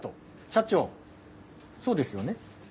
社長そうですよね。